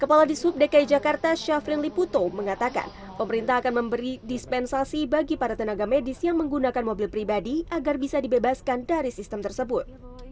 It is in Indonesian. kepala disub dki jakarta syafrin liputo mengatakan pemerintah akan memberi dispensasi bagi para tenaga medis yang menggunakan mobil pribadi agar bisa dibebaskan dari sistem tersebut